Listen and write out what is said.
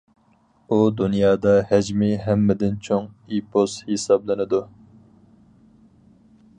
ئۇ دۇنيادا ھەجمى ھەممىدىن چوڭ ئېپوس ھېسابلىنىدۇ.